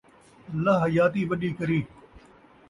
اللہ حیاتی وݙی کری